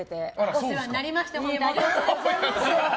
お世話になりまして本当ありがとうございます。